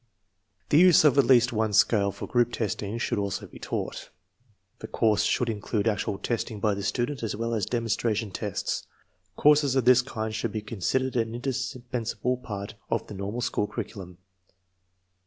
The use of at least one scale for group test ing should als6 be taught. The course should include actual testing by the student as well as demonstration tests. Courses of this kind should be considered an indispensable part of the normal school curriculum.